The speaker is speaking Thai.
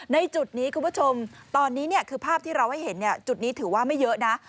จุดนี้คุณผู้ชมตอนนี้คือภาพที่เราให้เห็นจุดนี้ถือว่าไม่เยอะนะ